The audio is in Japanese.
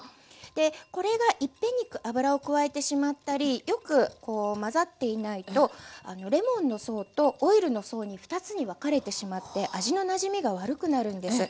でこれが一遍に油を加えてしまったりよく混ざっていないとレモンの層とオイルの層に２つに分かれてしまって味のなじみが悪くなるんです。